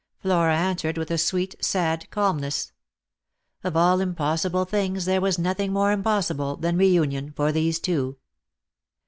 Flora answered with a sweet sad calmness. Of all impossible things there was nothing more impossible than reunion for these two.